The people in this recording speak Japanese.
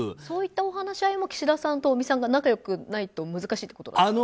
そういったお話は岸田さんと尾身さんが仲良くないと難しいということですか？